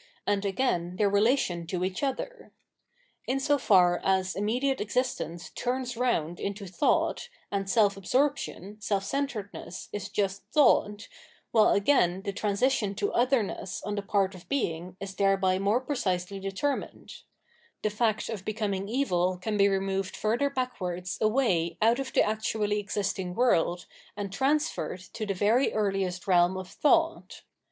and again their relation to each other. In so far as unmediate existence turns round into thought, and seK absorption, self centredness, is just thought, while again the transi tion to otherness on the part of Being is thereby more precisely determined, — ^the fact of becoming evil can be removed iurther backwards away out of the actually existing world and transferred to the very earhest realm of thought.